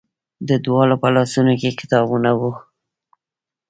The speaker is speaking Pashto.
د دواړو په لاسونو کې کتابونه وو.